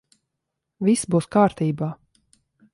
Viss būs kārtībā.